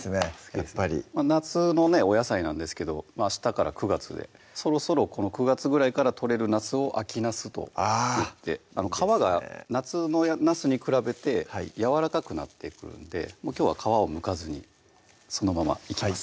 やっぱり夏のお野菜なんですけど明日から９月でそろそろこの９月ぐらいから採れるなすを秋なすといって皮が夏のなすに比べてやわらかくなってくるんできょうは皮をむかずにそのままいきます